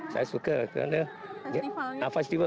saya suka karena festival